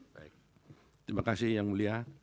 baik terima kasih yang mulia